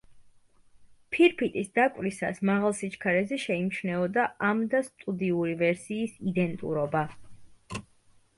ფირფიტის დაკვრისას, მაღალ სიჩქარეზე შეიმჩნეოდა ამ და სტუდიური ვერსიის იდენტურობა.